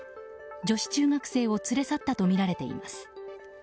女子中学生を連れ去ったとみています。